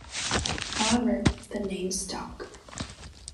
However, the name stuck.